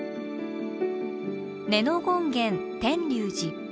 子ノ権現天龍寺。